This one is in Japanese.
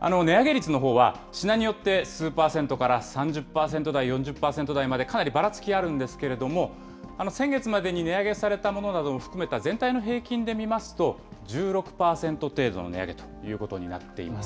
値上げ率のほうは、品によって数％から３０％台、４０％台まで、かなりばらつきあるんですけれども、先月までに値上げされたものなどを含めた全体の平均で見ますと、１６％程度の値上げということになっています。